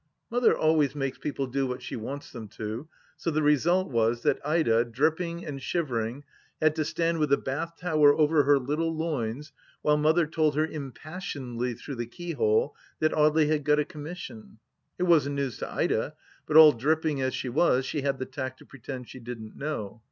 Mother always makes people do what she wants them to, so the result was that Ida, dripping and shivering, had to stand with a bath towel over her little loins while Mother told her impassionedly through the keyhole that Audely had got a commission. It wasn't news to Ida, but all drip ping as she was, she had the tact to pretend she didn't know.